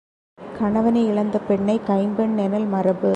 கணவனையிழந்த பெண்ணைக் கைம்பெண் எனல் மரபு.